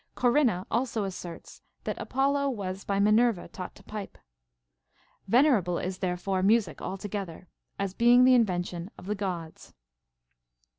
Corinna also asserts that Apollo was by Minerva taught to pipe. Venerable is therefore music altogether, as being the invention of the Gods.